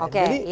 oke ya silahkan